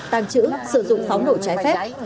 tàng trữ sử dụng pháo nổ trái phép